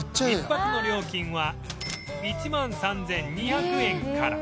１泊の料金は１万３２００円から